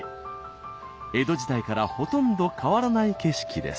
江戸時代からほとんど変わらない景色です。